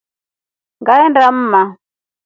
Ngaenda mma.